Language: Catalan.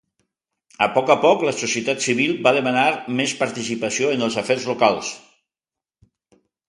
A poc a poc, la societat civil va demanar més participació en els afers locals.